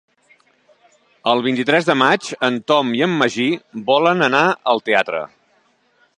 El vint-i-tres de maig en Tom i en Magí volen anar al teatre.